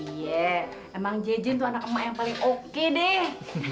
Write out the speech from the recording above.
iya emang jejen tuh anak emak yang paling oke deh